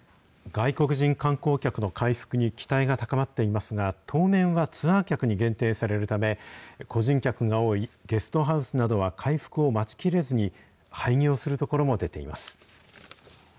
外国人観光客の回復に期待が高まっていますが、当面はツアー客に限定されるため、個人客が多いゲストハウスなどは回復を待ちきれずに、廃業するところも出ています。